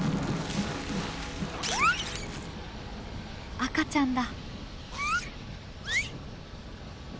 赤ちゃんだ。